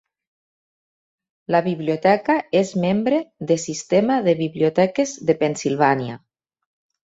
La biblioteca és membre de sistema de biblioteques de Pennsylvania.